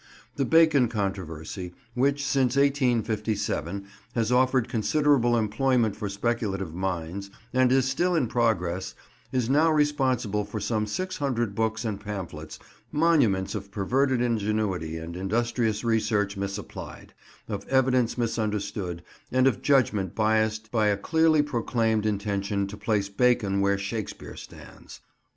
The Bacon controversy, which since 1857 has offered considerable employment for speculative minds, and is still in progress, is now responsible for some six hundred books and pamphlets, monuments of perverted ingenuity and industrious research misapplied; of evidence misunderstood, and of judgment biased by a clearly proclaimed intention to place Bacon where Shakespeare stands.